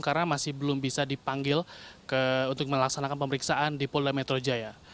karena masih belum bisa dipanggil untuk melaksanakan pemeriksaan di polda metro jaya